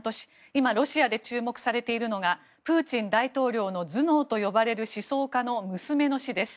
今、ロシアで注目されているのがプーチン大統領の頭脳と呼ばれる思想家の娘の死です。